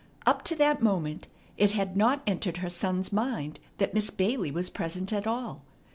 Up to that moment it had not entered her son's mind that Miss Bailey was present at all.